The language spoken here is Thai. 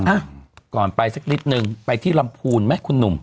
อ่ะก่อนไปสักนิดนึงไปที่ลำพูนไหมคุณหนุ่ม